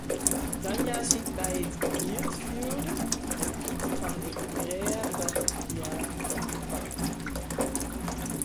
Tania siet by it hurdfjoer en iet fan it brea dat hja bakt hie.